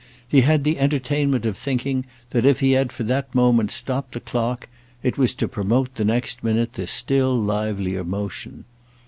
He had the entertainment of thinking that if he had for that moment stopped the clock it was to promote the next minute this still livelier motion.